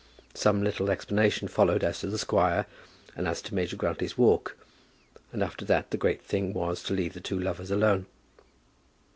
Some little explanation followed as to the squire, and as to Major Grantly's walk, and after that the great thing was to leave the two lovers alone.